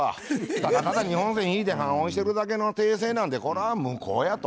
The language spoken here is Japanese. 「ただただ２本線引いて判押してるだけの訂正なんてこれは無効や」と。